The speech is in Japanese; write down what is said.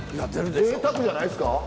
ぜいたくじゃないですか？